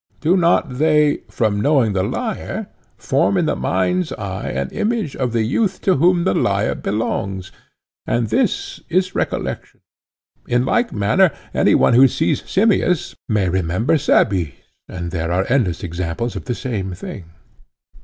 Do not they, from knowing the lyre, form in the mind's eye an image of the youth to whom the lyre belongs? And this is recollection. In like manner any one who sees Simmias may remember Cebes; and there are endless examples of the same thing.